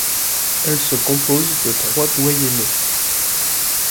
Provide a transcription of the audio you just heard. Elle se compose de trois doyennés.